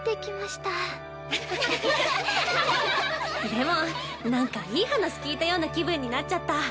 でもなんかいい話聞いたような気分になっちゃった。